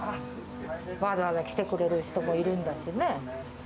わざわざ来てくれる人もいるんだしね。